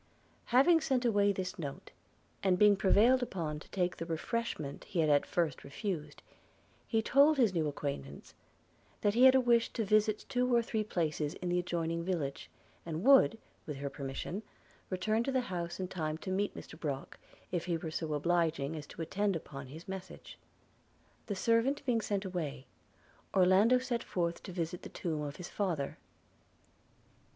–' Having sent away this note, and being prevailed upon to take the refreshment he had at first refused; he told his new acquaintance, that he had a wish to visit two or three places in the adjoining village, and would, with her permission, return to the house in time to meet Mr Brock, if he were so obliging as to attend upon his message. The servant being sent away, Orlando set forth to visit the tomb of his father.